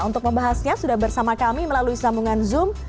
untuk membahasnya sudah bersama kami melalui sambungan zoom